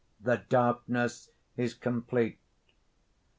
The darkness is complete.